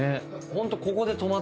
ホント。